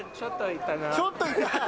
ちょっと痛いな。